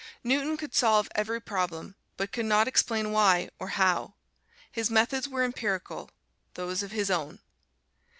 Newton could solve every problem, but could not explain why or how. His methods were empirical those of his own.